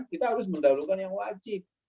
kita harus mendahulukan yang wajib